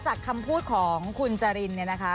จากคำพูดของคุณจรินเนี่ยนะคะ